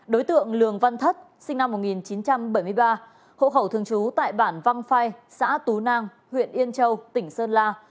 đối tượng lường văn thất sinh năm một nghìn chín trăm bảy mươi ba hộ khẩu thường trú tại bản văn phai xã tú nang huyện yên châu tỉnh sơn la